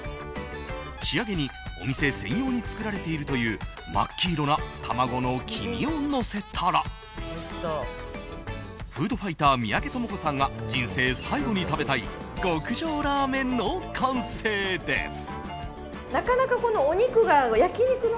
仕上げにお店専用に作られているという真っ黄色な卵の黄身をのせたらフードファイター三宅智子さんが人生最後に食べたい極上ラーメンの完成です。